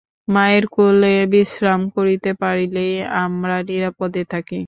মায়ের কোলে বিশ্রাম করিতে পারিলেই আমরা নিরাপদে থাকি।